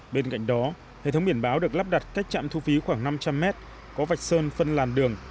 bên cạnh đó hệ thống biển báo được lắp đặt cách trạm thu phí khoảng năm trăm linh mét có vạch sơn phân làn đường